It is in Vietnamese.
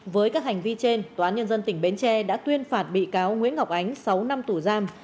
với các hành vi trên tntb đã tuyên phạt bị cáo nguyễn ngọc ánh sáu năm tù giam